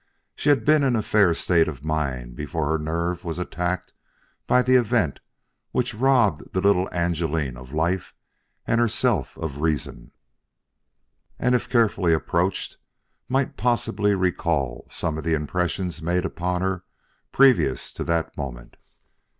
She had been in a fair state of mind before her nerve was attacked by the event which robbed the little Angeline of life and herself of reason, and if carefully approached, might possibly recall some of the impressions made upon her previous to that moment.